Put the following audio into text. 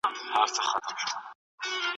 چارې ثمر ته نه دي رسیدلې.